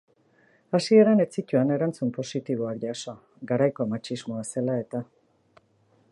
Hasieran ez zituen erantzun positiboak jaso, garaiko matxismoa zela eta.